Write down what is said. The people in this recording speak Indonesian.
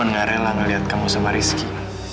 aku cuma gak rela ngeliat kamu sama rizky